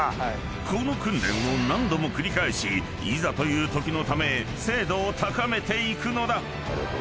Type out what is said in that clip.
［この訓練を何度も繰り返しいざというときのため精度を高めていくのだ］